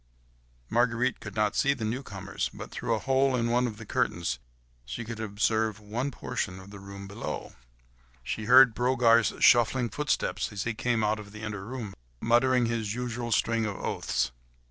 Marguerite could not see the newcomers, but, through a hole in one of the curtains, she could observe one portion of the room below. She heard Brogard's shuffling footsteps, as he came out of the inner room, muttering his usual string of oaths.